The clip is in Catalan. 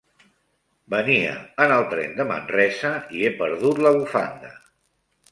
Venia en el tren de Manresa i he perdut la bufanda.